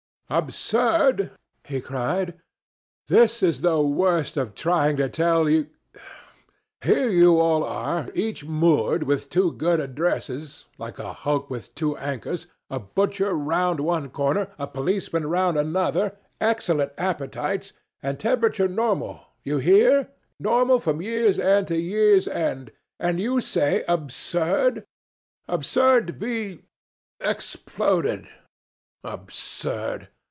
"Absurd!" he cried. "This is the worst of trying to tell. ... Here you all are, each moored with two good addresses, like a hulk with two anchors, a butcher round one corner, a policeman round another, excellent appetites, and temperature normal you hear normal from year's end to year's end. And you say, Absurd! Absurd be exploded! Absurd!